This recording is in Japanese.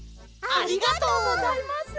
ありがとうございます。